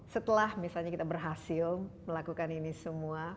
setelah misalnya kita berhasil melakukan ini semua